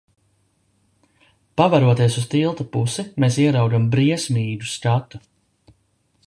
Paveroties uz tilta pusi mēs ieraugam briesmīgu skatu.